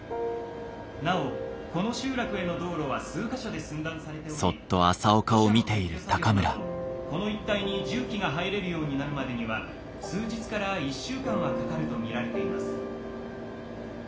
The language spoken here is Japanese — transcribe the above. なおこの集落への道路は数か所で寸断されており土砂の撤去作業などこの一帯に重機が入れるようになるまでには数日から１週間はかかると見られています」。